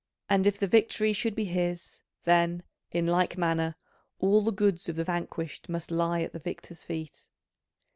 And if the victory should be his, then, in like manner, all the goods of the vanquished must lie at the victor's feet.